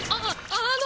あの！